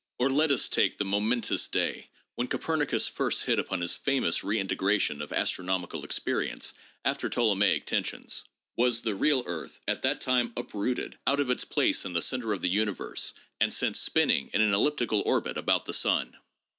Or let us take the momentous day when Copernicus first hit upon his famous redintegration of astronomical experience after Ptolemaic tensions. Was the real earth at that time uprooted out of its place in the center of the universe and sent spinning in an elliptical orbit about the sun